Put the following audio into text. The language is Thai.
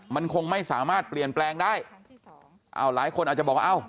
มันคงไม่สามารถเปลี่ยนแปลงได้อ้าวหลายคนอาจจะบอกว่าเอ้า